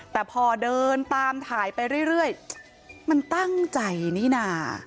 แต่พอเดินตามถ่ายไปเรื่อยมันตั้งใจนี่นะ